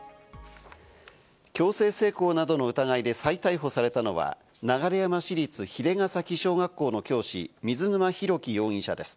強制性交などの疑いで再逮捕されたのは、流山市立鰭ヶ崎小学校の教師・水沼宏嘉容疑者です。